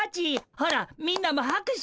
ほらみんなもはく手。